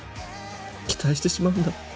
期待してしまうんだ